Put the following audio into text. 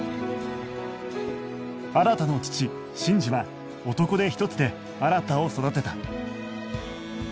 新の父信二は男手一つで新を育てた